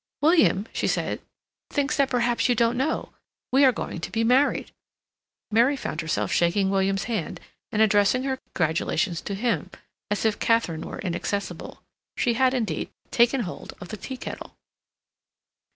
"William," she said, "thinks that perhaps you don't know. We are going to be married." Mary found herself shaking William's hand, and addressing her congratulations to him, as if Katharine were inaccessible; she had, indeed, taken hold of the tea kettle.